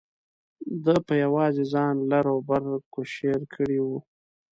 ده په یوازې ځان لر او بر کوشیر کړی و.